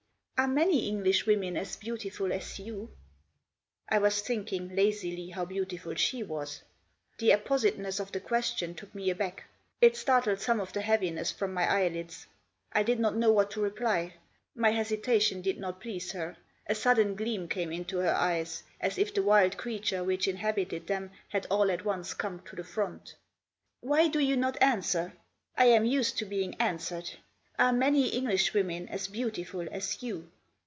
" Are many Englishwomen as beautiful as you ?" I was thinking, lazily, how beautiful she was. The appositeness of the question took me aback ; it startled Digitized by SUSIE. 123 some of the heaviness from my eyelids. I did not know what to reply. My hesitation did not please her. A sudden gleam came into her eyes ; as if the wild creature which inhabited them had all at once come to the front. " Why do you not answer ? I am used to being answered. Are many Englishwomen as beautiful as you